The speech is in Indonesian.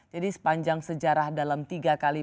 jadi sepanjang sejarah dalam tiga kali